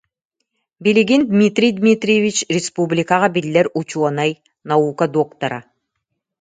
Билигин Дмитрий Дмитриевич республикаҕа биллэр учуонай, наука доктора